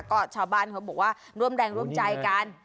ก็ชาวบ้านเขาบอกว่าร่วมแรงร่วมใจกัน